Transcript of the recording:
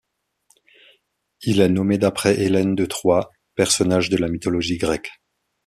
Il est nommé d'après Hélène de Troie, personnage de la mythologie grecque.